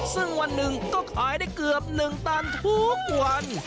ซึ่งวันหนึ่งก็ขายได้เกือบ๑ตันทุกวัน